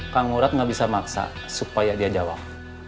kamu rat gak bisa maksa supaya dia jawab